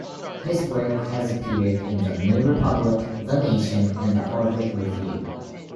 His work has appeared in the "New Republic," "The Nation," and the "Harvard Review.